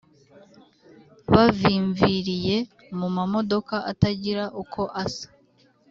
bavimviriye mu mamodoka atagira uko asa